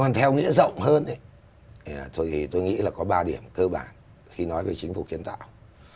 thế còn theo nghĩa rộng hơn thì tôi nghĩ là có ba điểm cơ bản khi nói với chính phủ kiến tạo